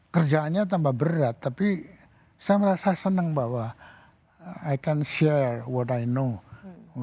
kerjaannya tambah berat tapi saya merasa senang bahwa ikan share what dy know